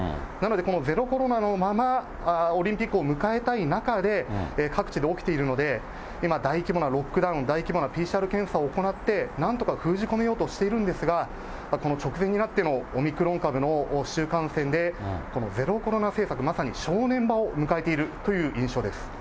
なので、このゼロコロナのまま、オリンピックを迎えたい中で、各地で起きているので、今、大規模なロックダウン、大規模なＰＣＲ検査を行って、なんとか封じ込めようとしているんですが、この直前になってのオミクロン株の市中感染で、ゼロコロナ政策、まさに正念場を迎えているという印象です。